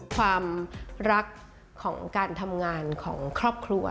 ความรักของการทำงานของครอบครัว